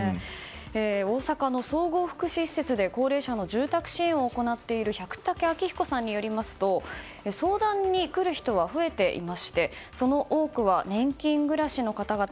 大阪の総合福祉施設で高齢者の住宅支援を行っている百武昭彦さんによりますと相談に来る人は増えていましてその多くは年金暮らしの方々